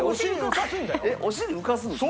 えっお尻浮かすんですか？